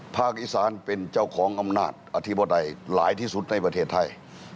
ภาคอีสานเป็นเจ้าของอำนาจอธิบใดหลายที่สุดในประเทศไทย